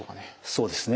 そうですね。